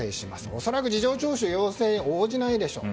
おそらく事情聴取の要請に応じないでしょう。